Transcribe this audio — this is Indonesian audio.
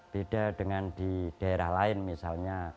beda dengan di daerah lain misalnya